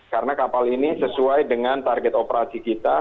karena kapal ini sesuai dengan target operasi kita